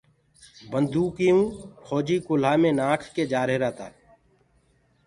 بنٚدوڪيٚئونٚ ڦوجيٚ ڪُلهآ مينٚ نآک ڪي جآريهرآ تآ